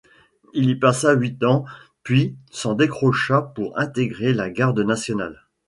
Il y passa huit ans puis s'en décrocha pour intégrer la Garde nationale.